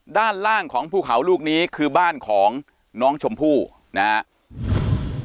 ด้านล่างของภูเขาลูกนี้คือบ้านของน้องชมพู่นะครับ